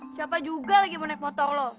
siapa juga lagi mau naik motor loh